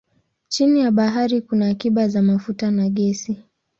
Chini ya bahari kuna akiba za mafuta na gesi.